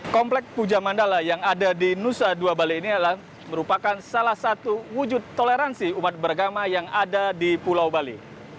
komplek puja mandala yang ada di nusa dua bali ini adalah merupakan salah satu wujud toleransi umat beragama yang ada di pulau bali